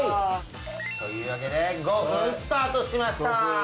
というわけで５分スタートしました！